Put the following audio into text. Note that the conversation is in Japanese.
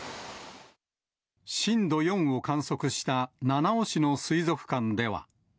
震度４を観測した七尾市の水族館では。